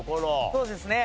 そうですね